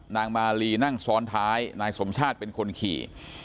นางมาลีนั่งซ้อนท้ายนายสมชาติเป็นคนขี่